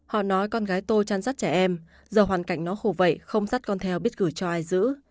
họ nói con gái tôi chăn rắt trẻ em giờ hoàn cảnh nó khổ vậy không dắt con theo biết cử cho ai giữ